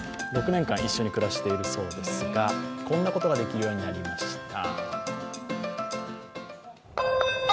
６年間一緒に暮らしてるそうですがこんなことができるようになりました。